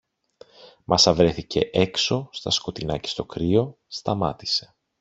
Μα σα βρέθηκε έξω, στα σκοτεινά και στο κρύο, σταμάτησε.